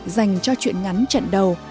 dành cho chuyện ngắn trận đầu